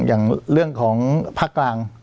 อย่างเรื่องของภาคกลาง